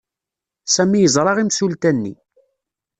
Sami yeẓra imsulta-nni.